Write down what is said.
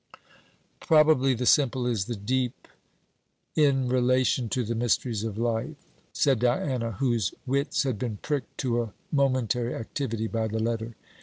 'Probably the simple is the deep, in relation to the mysteries of life,' said Diana, whose wits had been pricked to a momentary activity by the letter.